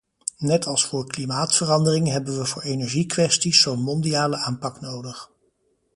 Net als voor klimaatverandering hebben we voor energiekwesties zo’n mondiale aanpak nodig.